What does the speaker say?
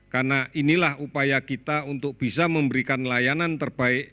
karena inilah upaya kita untuk bisa memberikan layanan terbaik